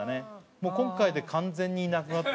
もう今回で完全にいなくなって。